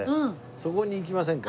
そこに行きませんか？